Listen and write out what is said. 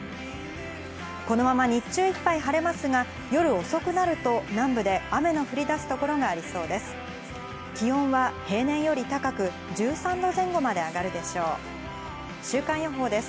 このまま日中いっぱい晴れますが、夜遅くなると南部で雨の降り出す所がありそうです。